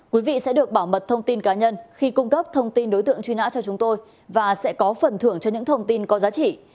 quý vị sẽ được bảo mật thông tin cá nhân khi cung cấp thông tin đối tượng truy nã cho chúng tôi và sẽ có phần thưởng cho những thông tin có giá trị